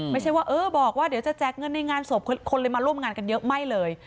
ไม่ใช่ว่าเออบอกว่าเดี๋ยวจะแจกเงินในงานศพคนเลยมาร่วมงานกันเยอะไม่เลย